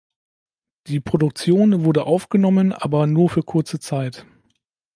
Die Produktion wurde aufgenommen, aber nur für kurze Zeit.